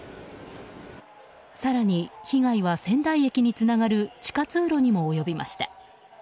更に被害は仙台駅につながる地下通路にも及びました。